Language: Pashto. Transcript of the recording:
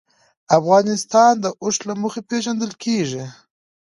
افغانستان د اوښ له مخې پېژندل کېږي.